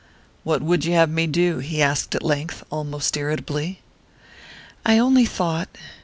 "What would you have me do?" he asked at length, almost irritably. "I only thought...